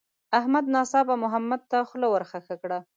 احمد ناڅاپه محمد ته خوله ورخښه کړه.